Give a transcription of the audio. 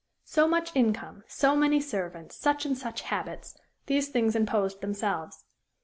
So much income, so many servants, such and such habits these things imposed themselves.